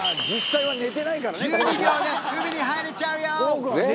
１２秒で海に入れちゃうよ